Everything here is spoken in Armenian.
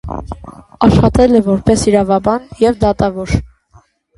Աշխատել է որպես իրավաբան և դատավոր։